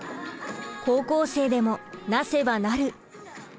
「高校生でもなせばなる！」。